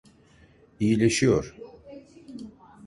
İyileşiyor.